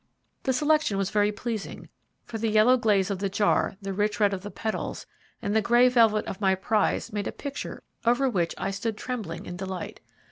The selection was very pleasing, for the yellow glaze of the jar, the rich red of the petals, and the grey velvet of my prize made a picture over which I stood trembling in delight.